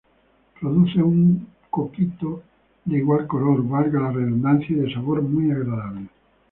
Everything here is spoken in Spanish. Produce un coquito de igual color, valga la redundancia y de sabor muy agradable.